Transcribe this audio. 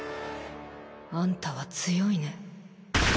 あんたは強いね。